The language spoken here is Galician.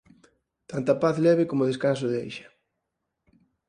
Tanta paz leve como descanso deixa